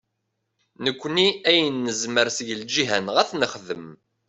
Nekkni ayen nezmer seg lǧiha-nneɣ ad t-nexdem.